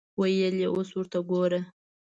ویل یې اوس ورته ګوره.